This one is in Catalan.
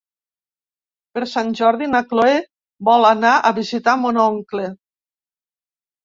Per Sant Jordi na Cloè vol anar a visitar mon oncle.